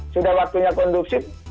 sudah waktunya konduksif